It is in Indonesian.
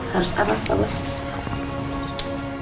harus apa pak bos